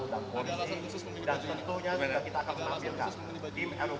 maksudnya apa pak